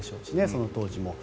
その当時も。